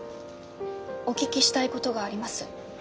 お聞きしたいことがあります。